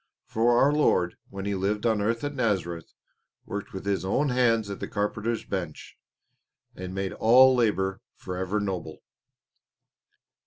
For our Lord, when He lived on earth at Nazareth, worked with His own hands at the carpenter's bench, and made all labour forever noble.